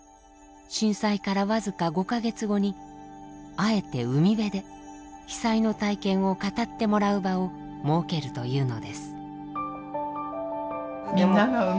震災から僅か５か月後にあえて海辺で被災の体験を語ってもらう場を設けるというのです。